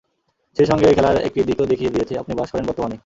সেই সঙ্গে খেলার একটি দিকও দেখিয়ে দিয়েছে, আপনি বাস করেন বর্তমানেই।